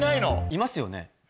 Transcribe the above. いますよね。